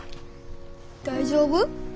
大丈夫？